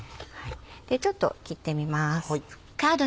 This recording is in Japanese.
ちょっと切ってみます。